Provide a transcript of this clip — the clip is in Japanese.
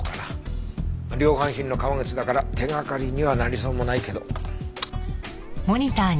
量販品の革靴だから手がかりにはなりそうもないけど。